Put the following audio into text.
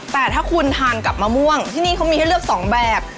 แต่ถ้าคุณทานกับมะม่วงที่นี่เขามีให้เลือก๒แบบ